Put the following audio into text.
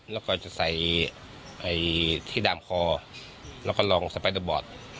แล้วก็จะใส่ที่ดามคอแล้วก็ลองสไปเดอร์บอร์ด